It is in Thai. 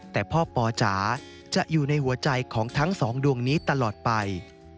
แต่พ่อปอจ๋าจะอยู่ในหัวใจของทั้งสองดวงนี้ตลอดไป